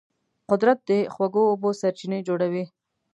قدرت د خوږو اوبو سرچینې جوړوي.